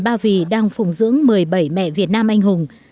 ba vì đang phùng dưỡng một mươi bảy mẹ việt nam anh hùng